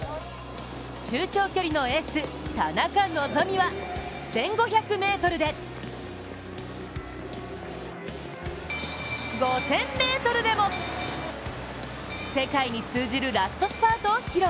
中長距離のエース、田中希実は１５００ｍで５０００ｍでも世界に通じるラストスパートを披露。